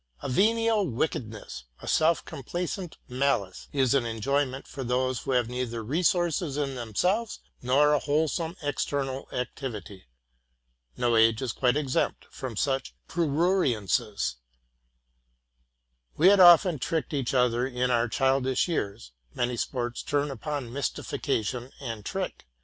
A venial wickedness, a self complacent malice, is an enjoyment for those who have neither resources in themselves nor a whole some external activity. No age is quite exempt from such pruriences. We had often tricked each other in our childish years: many sports turn upon mystification and trick.